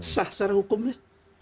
sah secara hukumnya